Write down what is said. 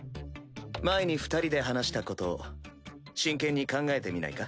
前に二人で話したこと真剣に考えてみないか？